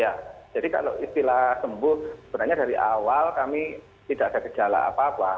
ya jadi kalau istilah sembuh sebenarnya dari awal kami tidak ada gejala apa apa